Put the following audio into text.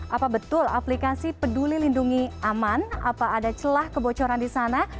apa betul aplikasi peduli lindungi aman apa ada celah kebocoran di sana